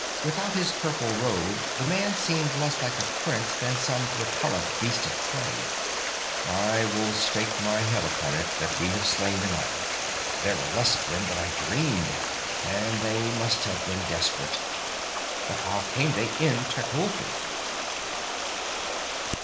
Without his purple robe the man seemed less like a prince than some repellent beast of prey. "I will stake my head upon it that we have slain them all. There were less of them than I dreamed, and they must have been desperate. But how came they in Tecuhltli?"